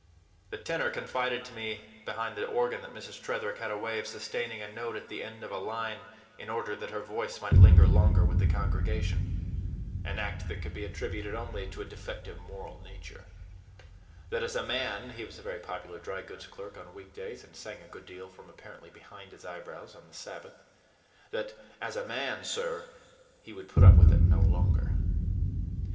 The tenor confided to me behind the organ that Mrs. Tretherick had a way of sustaining a note at the end of a line in order that her voice might linger longer with the congregation an act that could be attributed only to a defective moral nature; that as a man (he was a very popular dry goods clerk on weekdays, and sang a good deal from apparently behind his eyebrows on the Sabbath) that as a man, sir, he would put up with it no longer.